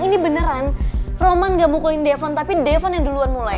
ini beneran roman enggak mukulin devon tapi devon yang duluan mulai